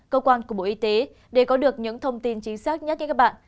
cơ quan cục bộ y tế để có được những thông tin chính xác nhất nhé các bạn